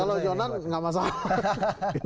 kalau jonan gak masalah